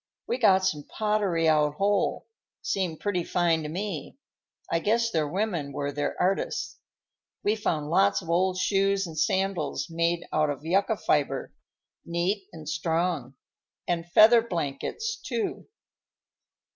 We got some pottery out whole; seemed pretty fine to me. I guess their women were their artists. We found lots of old shoes and sandals made out of yucca fiber, neat and strong; and feather blankets, too."